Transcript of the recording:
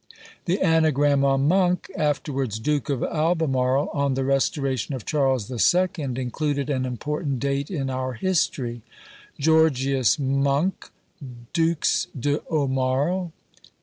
_ The anagram on Monk, afterwards Duke of Albemarle, on the restoration of Charles the Second, included an important date in our history: _Georgius Monke, Dux de Aumarle.